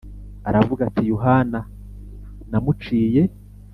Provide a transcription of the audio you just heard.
aravuga ati Yohana namuciye